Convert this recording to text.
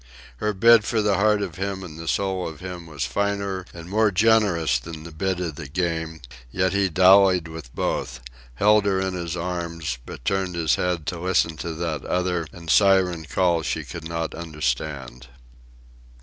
Her bid for the heart of him and the soul of him was finer and more generous than the bid of the Game; yet he dallied with both held her in his arms, but turned his head to listen to that other and siren call she could not understand.